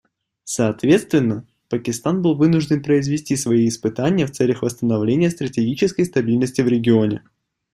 Соответственно, Пакистан был вынужден произвести свои испытания в целях восстановления стратегической стабильности в регионе.